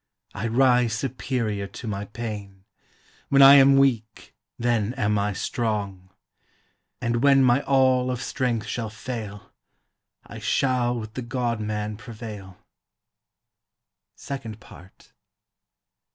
I rise superior to my pain; When I am weak, then am I strong! And when my all of strength shall fail, I shall with the God man prevail. SECOND PART.